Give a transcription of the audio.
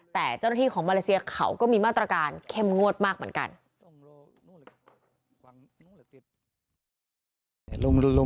แต่เจ้าหน้าที่ของมาเลเซียเขาก็มีมาตรการเข้มงวดมากเหมือนกัน